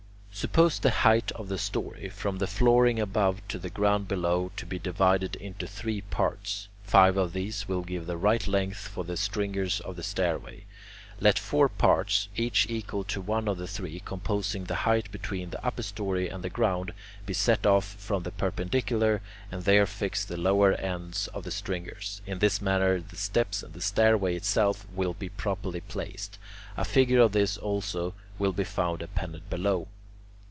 Suppose the height of the story, from the flooring above to the ground below, to be divided into three parts. Five of these will give the right length for the stringers of the stairway. Let four parts, each equal to one of the three composing the height between the upper story and the ground, be set off from the perpendicular, and there fix the lower ends of the stringers. In this manner the steps and the stairway itself will be properly placed. A figure of this also will be found appended below.